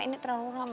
ini terlalu rame mas